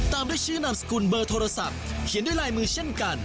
ตามด้วยชื่อนามสกุลเบอร์โทรศัพท์เขียนด้วยลายมือเช่นกัน